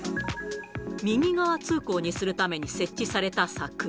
右側通行にするために設置された柵。